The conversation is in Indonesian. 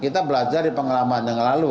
kita belajar dari pengalaman yang lalu